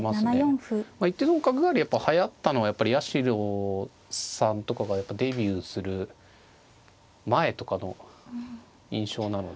一手損角換わりやっぱはやったのは八代さんとかがデビューする前とかの印象なので。